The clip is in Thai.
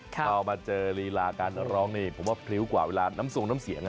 พอมาเจอลีลาการร้องนี่ผมว่าพริ้วกว่าเวลาน้ำทรงน้ำเสียง